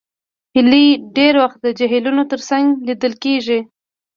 هیلۍ ډېر وخت د جهیلونو تر څنګ لیدل کېږي